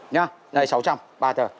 nhá sáu trăm linh ba tờ